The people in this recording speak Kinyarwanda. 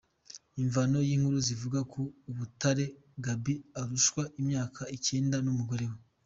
Imvano y’inkuru zivuga ko Umutare Gaby arushwa imyaka icyenda n’umugore we.